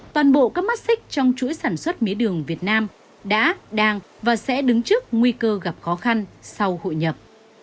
toàn bộ các mắt xích trong chuỗi sản xuất mía đường việt nam đã đang và sẽ đứng trước nguy cơ gặp khó khăn sau hội nhập